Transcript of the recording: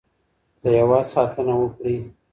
د هېواد ساتنه وکړئ.